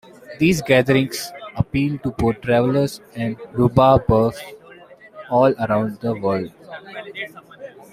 These "gatherings" appeal to both travellers and "rhubarb buffs" all around the world.